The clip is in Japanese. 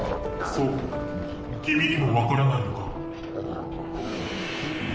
そうか君にも分からない